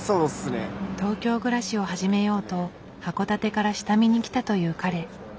東京暮らしを始めようと函館から下見に来たという彼。